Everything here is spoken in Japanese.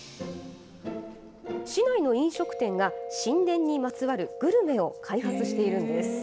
市内の飲食店が神殿にまつわるグルメを開発しているんです。